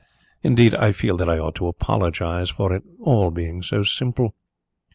Indeed, I feel that I ought to apologize for it all being so simple."